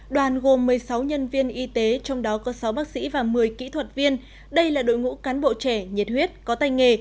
đoàn gồm một mươi sáu nhân viên y tế trong đó có sáu bác sĩ và một mươi kỹ thuật viên đây là đội ngũ cán bộ trẻ nhiệt huyết có tay nghề